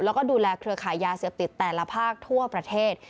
แล้วก็ดูแลเครือขายยาเสพติดแต่ละภาคทั่วประเทศ